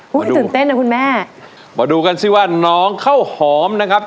ตื่นเต้นนะคุณแม่มาดูกันสิว่าน้องข้าวหอมนะครับ